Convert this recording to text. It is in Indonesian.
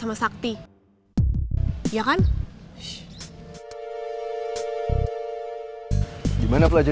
kamu tuh yang kepenting